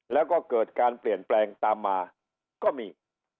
แล้วก็เกิดการเปลี่ยนแปลงตามมาก็มี